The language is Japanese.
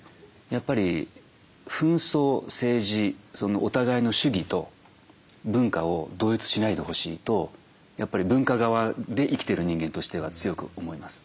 やっぱり紛争政治お互いの主義と文化を同一しないでほしいとやっぱり文化側で生きている人間としては強く思います。